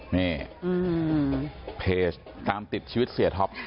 นี่เพจตามติดชีวิตเสียท็อป